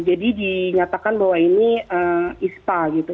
jadi dinyatakan bahwa ini ispa gitu